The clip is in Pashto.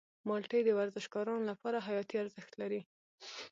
مالټې د ورزشکارانو لپاره حیاتي ارزښت لري.